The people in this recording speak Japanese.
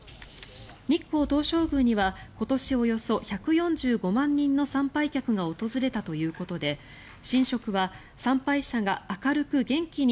日光東照宮には今年およそ１４５万人の参拝客が訪れたということで神職は参拝者が明るく元気に